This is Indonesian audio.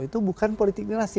itu bukan politik dinasti